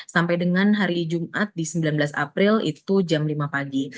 sampai dengan hari jumat di sembilan belas april itu jam lima pagi